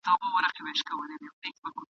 ستا پر ځای به بله مینه بل به ژوند وي !.